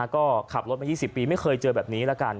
ก็ขับรถมา๒๐ปีไม่เคยเจอแบบนี้แล้วกัน